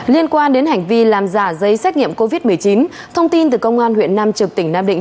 liên quan đến hành vi làm giả giấy xét nghiệm covid một mươi chín thông tin từ công an huyện nam trực tỉnh nam định